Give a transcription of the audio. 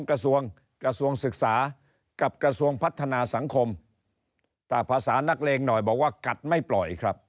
และบอกว่ากลัดไม่ปล่อยครับ